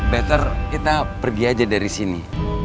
better kita pergi aja dari sini